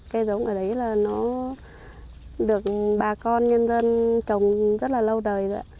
cây giống ở đấy là nó được bà con nhân dân trồng rất là lâu đời rồi ạ